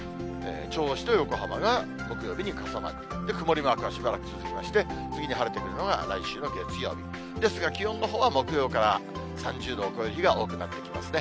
銚子と横浜が木曜日に傘マーク、曇りマークがしばらく続きまして、次に晴れてくるのが来週の月曜日、ですが気温のほうは木曜から３０度を超える日が多くなってきますね。